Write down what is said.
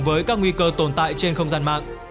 với các nguy cơ tồn tại trên không gian mạng